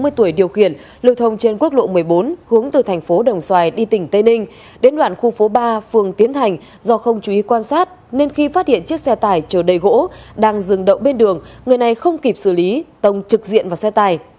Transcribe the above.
ba mươi tuổi điều khiển lưu thông trên quốc lộ một mươi bốn hướng từ thành phố đồng xoài đi tỉnh tây ninh đến đoạn khu phố ba phường tiến thành do không chú ý quan sát nên khi phát hiện chiếc xe tải chờ đầy gỗ đang dừng đậu bên đường người này không kịp xử lý tông trực diện vào xe tài